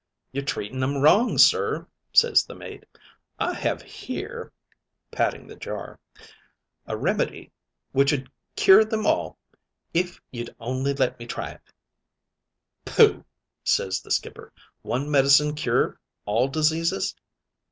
"'You're treating 'em wrong, sir,' ses the mate. 'I have here' (patting the jar) 'a remedy which 'ud cure them all if you'd only let me try it.' "'Pooh!' ses the skipper. 'One medicine cure all diseases!